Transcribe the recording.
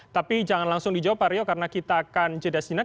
tapi jangan langsung dijawab pak rio karena kita akan jeda sejenak